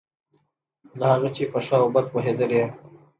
له هغه چې په ښه او بد پوهېدلی یم.